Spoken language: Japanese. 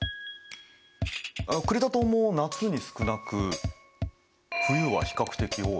クレタ島も夏に少なく冬は比較的多い。